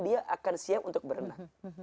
dia akan siap untuk berenang